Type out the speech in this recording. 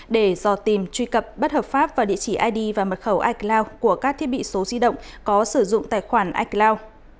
để dò tìm truy cập bất hợp pháp vào địa chỉ id và mật khẩu icloud của các thiết bị số di động có sử dụng tài khoản icloud